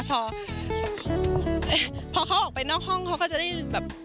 พอเขาออกไปนอกห้องเขาก็จะได้แบบ